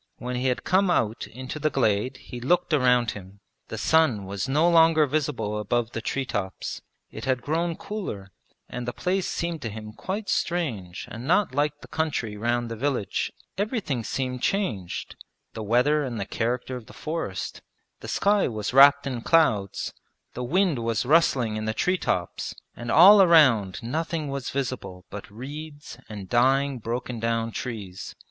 When he had come out into the glade he looked around him; the sun was no longer visible above the tree tops. It had grown cooler and the place seemed to him quite strange and not like the country round the village. Everything seemed changed the weather and the character of the forest; the sky was wrapped in clouds, the wind was rustling in the tree tops, and all around nothing was visible but reeds and dying broken down trees.